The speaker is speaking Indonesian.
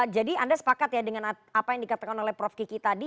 jadi anda sepakat ya dengan apa yang dikatakan oleh prof kiki tadi